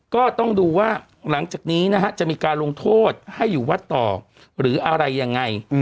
ก็ต้องดูว่าหลังจากนี้นะฮะจะมีการลงโทษให้อยู่วัดต่อหรืออะไรยังไง